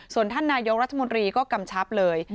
ส่วนท่านนายกรัฐมนตรีก็กำชับเลย